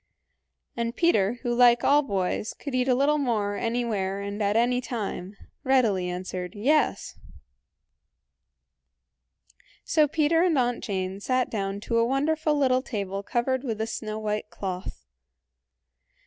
And Peter, who like all boys, could eat a little more anywhere and at any time, readily answered, "Yes." So Peter and Aunt Jane sat down to a wonderful little table covered with a snow white cloth.